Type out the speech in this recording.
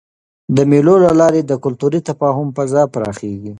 د مېلو له لاري د کلتوري تفاهم فضا پراخېږي.